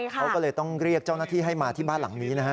เขาก็เลยต้องเรียกเจ้าหน้าที่ให้มาที่บ้านหลังนี้นะฮะ